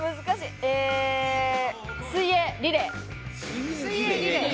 水泳リレー。